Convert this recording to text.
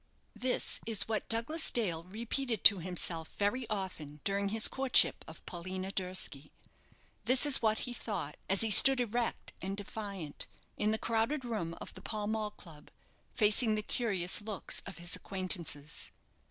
This is what Douglas Dale repeated to himself very often during his courtship of Paulina Durski. This is what he thought as he stood erect and defiant in the crowded room of the Pall Mall club, facing the curious looks of his acquaintances.